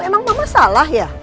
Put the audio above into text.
emang mama salah ya